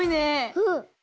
うん。